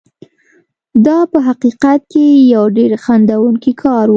دا په حقیقت کې یو ډېر خندوونکی کار و.